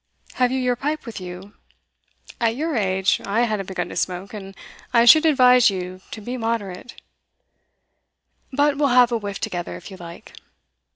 Have you your pipe with you? At your age I hadn't begun to smoke, and I should advise you to be moderate; but we'll have a whiff together, if you like.